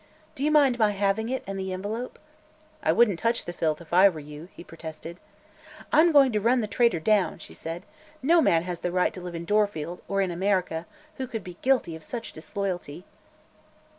Do you mind my having it and the envelope?" "I wouldn't touch the filth, if I were you," he protested. "I'm going to run the traitor down," she said. "No man has the right to live in Dorfield or in America who could be guilty of such disloyalty."